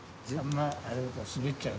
滑っちゃう。